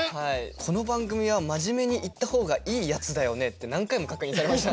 「この番組は真面目にいった方がいいやつだよね？」って何回も確認されました。